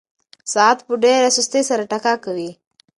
ساعت په ډېره سستۍ سره ټکا کوي.